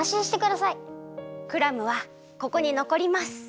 クラムはここにのこります。